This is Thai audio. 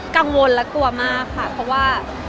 กังวลและกลัวมากค่ะ